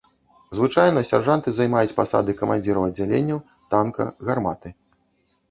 Звычайна сяржанты займаюць пасады камандзіраў аддзяленняў, танка, гарматы.